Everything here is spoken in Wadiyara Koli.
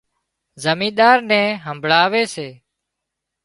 زمينۮار نين همڀۯاوي سي